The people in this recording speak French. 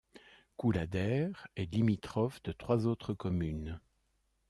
Couladère est limitrophe de trois autres communes.